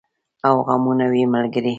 او غمونه وي ملګري